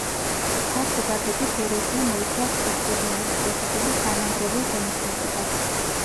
ფართო გაგებით ეროზია მოიცავს ეგზოგენური პროცესების დამანგრეველ ზემოქმედებას.